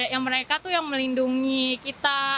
yang mereka tuh yang melindungi kita